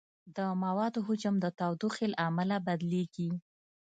د موادو حجم د تودوخې له امله بدلېږي.